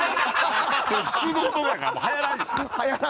それ普通の事だからはやらんよ。